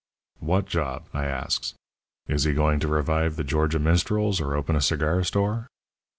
"'What job?' I asks. 'Is he going to revive the Georgia Minstrels or open a cigar store?'